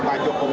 dengan grup kami